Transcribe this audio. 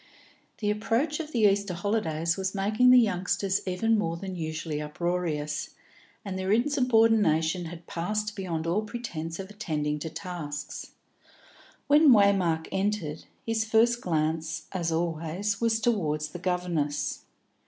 The approach of the Easter holidays was making the youngsters even more than usually uproarious, and their insubordination had passed beyond all pretence of attending to tasks. When Waymark entered, his first glance, as always, was towards the governess.